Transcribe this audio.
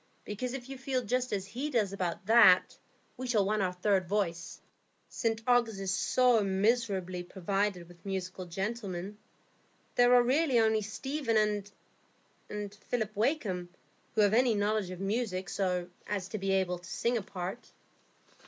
Because if you feel just as he does about that, we shall want our third voice. St Ogg's is so miserably provided with musical gentlemen. There are really only Stephen and Philip Wakem who have any knowledge of music, so as to be able to sing a part."